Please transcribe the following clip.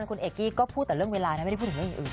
คุณเอกกี้ก็พูดแต่เรื่องเวลานะไม่ได้พูดถึงเรื่องอื่น